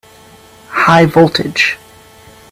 High voltage!